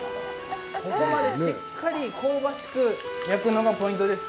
ここまでしっかり香ばしく焼くのがポイントです。